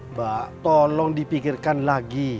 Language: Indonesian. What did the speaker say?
mbak tolong dipikirkan lagi